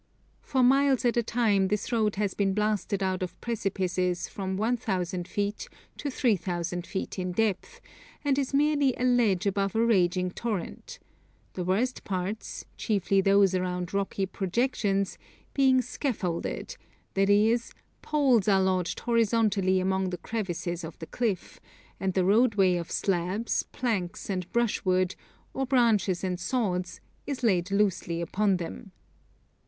For miles at a time this road has been blasted out of precipices from 1,000 feet to 3,000 feet in depth, and is merely a ledge above a raging torrent, the worst parts, chiefly those round rocky projections, being 'scaffolded,' i.e. poles are lodged horizontally among the crevices of the cliff, and the roadway of slabs, planks, and brushwood, or branches and sods, is laid loosely upon them.